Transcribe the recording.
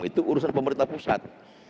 itu urusan pemerintah pusat